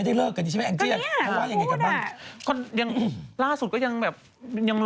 แต่ก็คนบอกว่าเอ๊ย